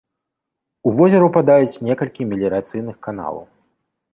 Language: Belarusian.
У возера ўпадаюць некалькі меліярацыйных каналаў.